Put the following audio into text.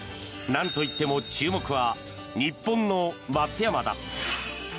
なんと言っても注目は日本の松山だ。